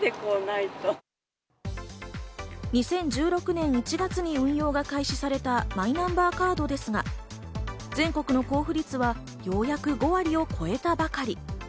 ２０１６年１月に運用が開始されたマイナンバーカードですが、全国の交付率はようやく５割を超えたばかり。